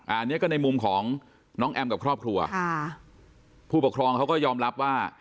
อันนี้ก็ในมุมของน้องแอมกับครอบครัวค่ะผู้ปกครองเขาก็ยอมรับว่า